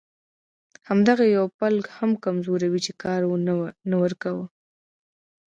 همدغه یو پل هم کمزوری و چې کار نه ورکاوه.